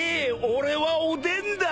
俺はおでんだ！